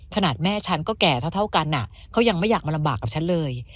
ขนาดแม่ฉันก็แก่เท่ากันเขายังไม่อยากมาลำบากกับฉันเลย